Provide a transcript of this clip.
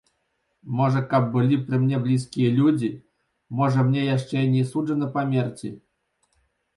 Можа каб былі пры мне блізкія людзі, можа мне яшчэ і не суджана памерці.